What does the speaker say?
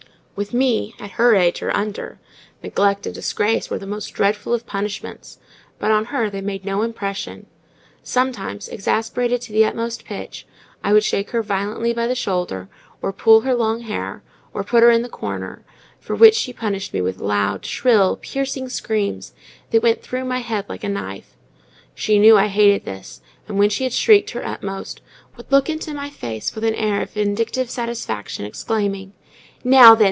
With me, at her age, or under, neglect and disgrace were the most dreadful of punishments; but on her they made no impression. Sometimes, exasperated to the utmost pitch, I would shake her violently by the shoulder, or pull her long hair, or put her in the corner; for which she punished me with loud, shrill, piercing screams, that went through my head like a knife. She knew I hated this, and when she had shrieked her utmost, would look into my face with an air of vindictive satisfaction, exclaiming,—"Now, then!